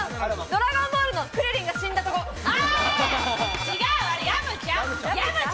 ドラゴンボールのクリリンが死んだとこ。